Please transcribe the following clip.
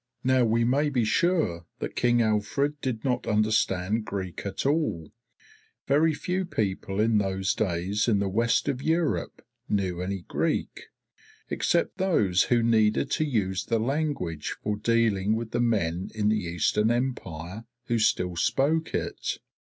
Now we may be sure that King Alfred did not understand Greek at all; very few people in those days in the West of Europe knew any Greek, except those who needed to use the language for dealing with the men in the Eastern Empire who still spoke it.